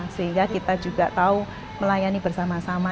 sehingga kita juga tahu melayani bersama sama